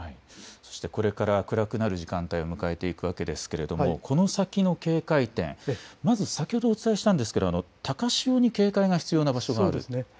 そしてこれから暗くなる時間帯を迎えていくわけですが、この先の警戒点、まず先ほどお伝えしましたが高潮に警戒が必要な場所があるということですね。